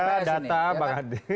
iya data bang andi